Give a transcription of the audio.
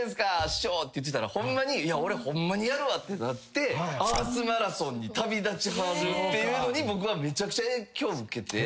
師匠！って言ってたら「いや俺ホンマにやるわ」ってなってアースマラソンに旅立ちはるっていうのに僕はめちゃくちゃ影響を受けて。